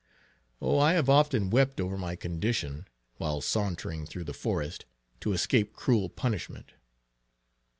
Oh! I have often wept over my condition, while sauntering through the forest, to escape cruel punishment.